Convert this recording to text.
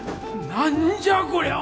何じゃこりゃ！？